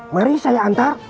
mari saya antar